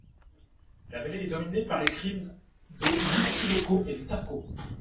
La vallée est dominée par les cimes de l'Istállós-kő et du Tar-kő.